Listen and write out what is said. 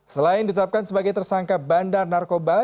selain ditetapkan sebagai tersangka bandar narkoba